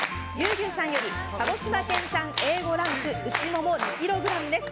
牛さんより鹿児島県産Ａ５ランクうちもも２ｋｇです。